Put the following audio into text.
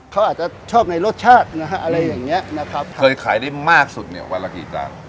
เขาอาจจะชอบในรสชาตินะฮะอะไรอย่างเงี้ยนะครับเคยขายได้มากสุดเนี่ยวันละกี่จาน